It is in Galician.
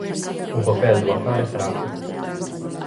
O papel do azar é grande.